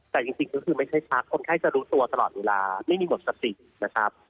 แต่จริงก็คือไม่ใช่พักคนไข้จะรู้ตัวตลอดเวลาไม่มีหมดสตินะครับ